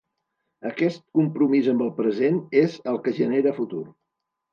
Aquest compromís amb el present és el que genera futur.